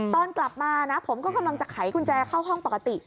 ตอนกลับมานะผมก็กำลังจะไขกุญแจเข้าห้องปกติ